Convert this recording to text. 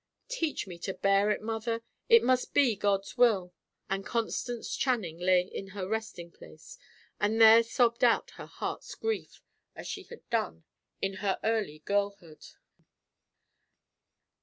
"Teach me to bear it, mother. It must be God's will." And Constance Channing lay in her resting place, and there sobbed out her heart's grief, as she had done in her early girlhood.